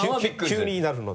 急になるので。